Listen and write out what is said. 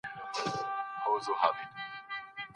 کمپيوټر قرآن انلاين ښيي.